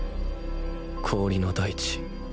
氷の大地。